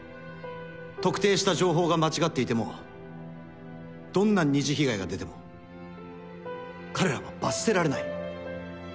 特定した情報が間違っていてもどんなに二次被害が出ても彼らは罰せられない。